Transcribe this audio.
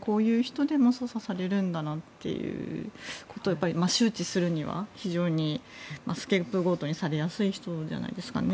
こういう人でも捜査されるんだなってことを周知するには非常にスケープゴートにされやすい人ではないですかね。